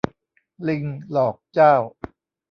ลิงหลอกเจ้า